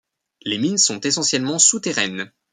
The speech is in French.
Les mines sont essentiellement souterraines.